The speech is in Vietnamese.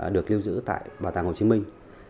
được lưu giữ tại bảo tàng hồ chí minh